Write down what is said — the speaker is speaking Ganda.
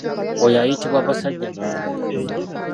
Oyo ayitibwa basajjamivule.